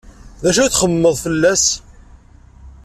D acu ay txemmemed fell-as?